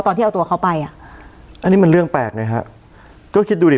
ตอนที่เอาตัวเขาไปอ่ะอันนี้มันเรื่องแปลกไงฮะก็คิดดูดิ